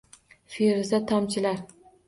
Firuza tomchilar